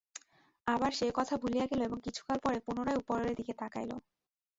আবার সে এ-কথা ভুলিয়া গেল এবং কিছুকাল পরে পুনরায় উপরের দিকে তাকাইল।